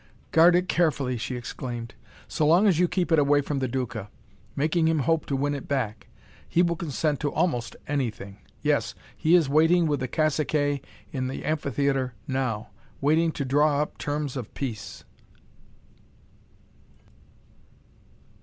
"Guard it carefully!" she exclaimed. "So long as you keep it away from the Duca, making him hope to win it back, he will consent to almost anything. Yes, he is waiting with the caciques in the amphitheatre now; waiting to draw up terms of peace."